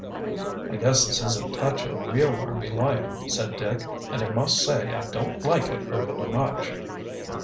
"I guess this is a touch of real army life," said Dick. "And I must say I don't like it overly much."